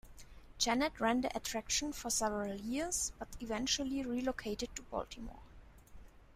Janet ran the attraction for several years, but eventually relocated to Baltimore.